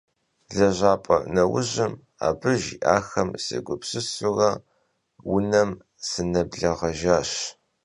Lejap'e neujım abı jji'axem sêgupsısure vunem sınebleğejjaş.